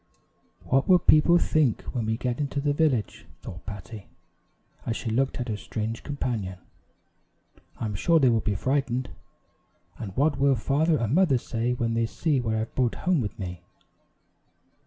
"What will people think when we get into the village?" thought Patty, as she looked at her strange companion; "I'm sure they will be frightened, and what will father and mother say when they see what I have brought home with me?"